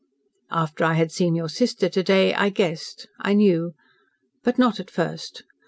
"After I had seen your sister to day, I guessed I knew. But not at first.